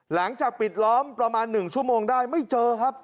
หลังจากปิดล้อมประมาณ๑ชั่วโมงได้ไม่เจอครับ